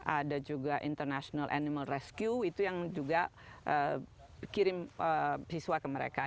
ada juga international animal rescue itu yang juga kirim siswa ke mereka